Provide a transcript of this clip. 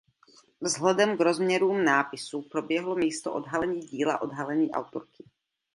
Vzhledem k rozměrům nápisu proběhlo místo odhalení díla odhalení autorky.